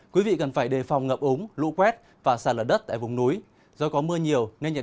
quý vị cần phải đề phòng ngập úng lũ quét và sạt lở đất tại vùng núi